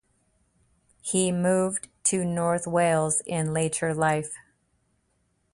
He moved to North Wales in later life.